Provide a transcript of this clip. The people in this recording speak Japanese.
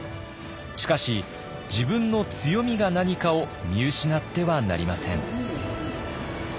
しかし自分の強みが何かを見失ってはなりません。